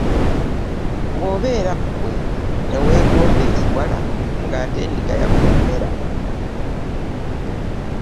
Bw’obeera ggwe ne weegomba ekiwala ng’ate endiga yakutomera.